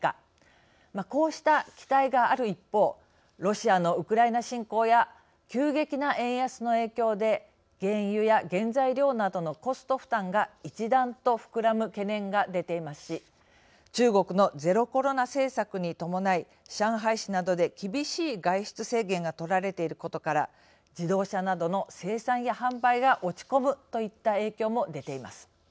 こうした期待がある一方ロシアのウクライナ侵攻や急激な円安の影響で原油や原材料などのコスト負担が一段と膨らむ懸念が出ていますし中国のゼロコロナ政策に伴い上海市などで厳しい外出制限がとられていることから自動車などの生産や販売が落ち込むといった影響も出ています。